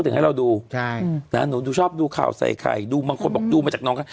ถึงให้เราดูใช่นะหนูดูชอบดูข่าวใส่ไข่ดูบางคนบอกดูมาจากน้องเขา